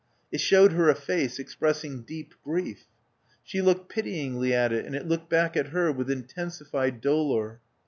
It showed her a face expressing deep grief. She looked pityingly at it; and it look back at her with intensified dolor.